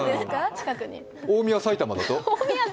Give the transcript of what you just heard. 大宮、埼玉だと？